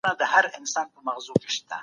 رښتيا ويل له دروغو څخه ډېر ښه دي.